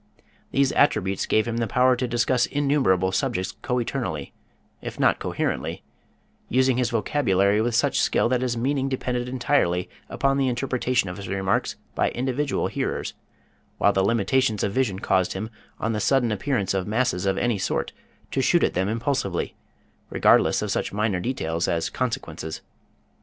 These attributes gave him the power to discuss innumerable subjects coeternally, if not coherently, using his vocabulary with such skill that his meaning depended entirely upon the interpretation of his remarks by individual hearers, while the limitations of vision caused him, on the sudden appearance of masses of any sort, to shoot at them impulsively, regardless of such minor details as consequences.